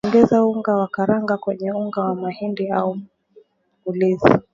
Ongeza unga wa karanga kwenye unga wa mahindi au ulezi